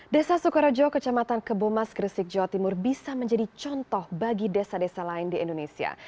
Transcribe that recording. desa sukorejo kecamatan kebomas gresik jawa timur bisa menjadi contoh bagi desa desa lain di indonesia